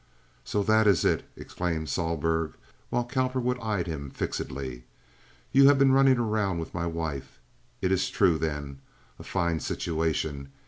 "Saw that ees it!" exclaimed Sohlberg, while Cowperwood eyed him fixedly. "You have been running around weeth my wife? Eet ees true, then. A fine situation!